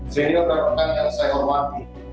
senior dan pekan yang saya hormati